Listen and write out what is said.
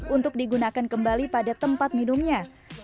untuk digunakan kembali pada tempat minumnya